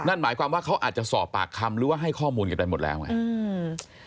นั่นหมายความว่าเขาอาจจะสอบปากคำหรือว่าให้ข้อมูลกันไปหมดแล้วไงอืม